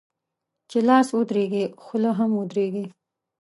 چي لاس و درېږي ، خوله هم درېږي.